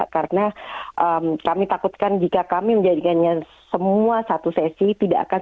karena kami takutkan jika kami menjadikannya semua satu sesi tidak akan